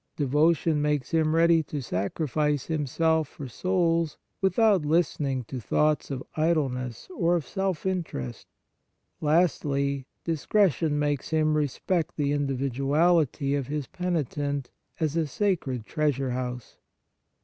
Devotion makes him ready to sacrifice himself for souls, without listening to thoughts of idleness or of self interest. Lastly, discretion makes him respect the individuality of his penitent as a sacred treasure house.